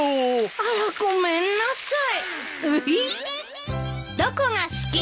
あらごめんなさい。